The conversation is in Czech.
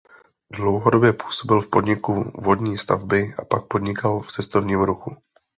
Dlouhodobě působil v podniku Vodní stavby a pak podnikal v cestovním ruchu.